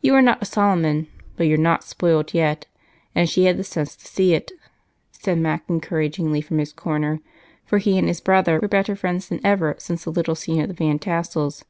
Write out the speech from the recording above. You are not a Solomon, but you're not spoilt yet, and she had the sense to see it," said Mac encouragingly from his corner, for he and his brother were better friends than even since the little scene at the Van Tassels'.